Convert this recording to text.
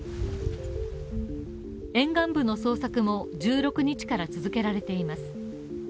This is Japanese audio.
沿岸部の捜索も１６日から続けられています。